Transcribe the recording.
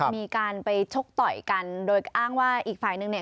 มีการไปชกต่อยกันโดยอ้างว่าอีกฝ่ายนึงเนี่ย